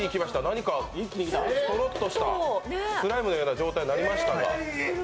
何かとろっとした、スライムのような状態になりましたが。